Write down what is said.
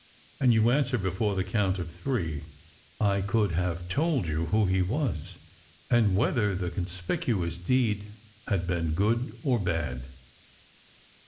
and you answer before the count of three), I could have told who he was, and whether the conspicu ous deed had been good or bad.